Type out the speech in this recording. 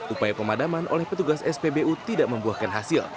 upaya pemadaman oleh petugas spbu tidak membuahkan hasil